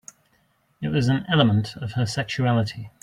It was an element of her sexuality.